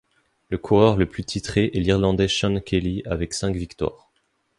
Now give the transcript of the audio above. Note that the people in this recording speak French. Le coureur le plus titré est l'Irlandais Seán Kelly avec cinq victoires.